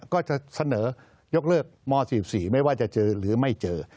ก็จะเสนอยกเลิกม๔๔ไม่ว่าจะเจอหรือไม่เจอ